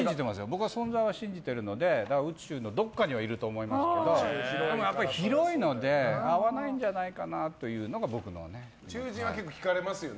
僕は存在は信じてるので宇宙のどこかにはいると思いますがでもやっぱり広いので会わないんじゃないのかなというこの質問は結構聞かれますよね。